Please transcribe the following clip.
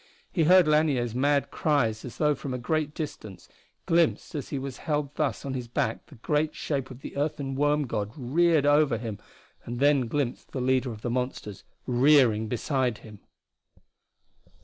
He heard Lanier's mad cries as though from a great distance, glimpsed as he was held thus on his back the great shape of the earthen worm god reared over him, and then glimpsed the leader of the monsters rearing beside him.